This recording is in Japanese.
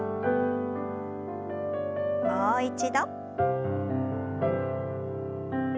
もう一度。